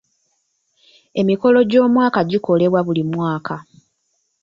Emikolo gy'omwaka gikolebwa buli mwaka.